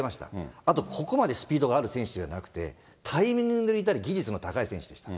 あとここまでスピードがある選手じゃなくて、タイミング入れたり、技術も高い選手でしたと。